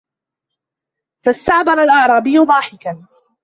فَاسْتَعْبَرَ الْأَعْرَابِيُّ ضَاحِكًا